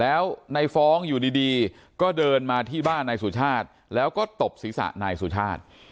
แล้วในฟ้องอยู่ดีก็เดินมาที่บ้านนายสุชาติแล้วก็ตบศีรษะนายสุชาติ